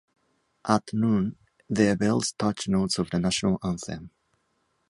At noon, their bells touch notes of the national anthem.